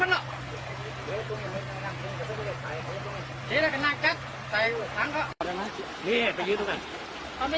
ได้รับลงกรี๊มตัวติดไว้